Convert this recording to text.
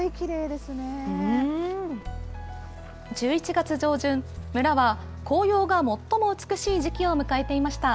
１１月上旬、村は紅葉が最も美しい時期を迎えていました。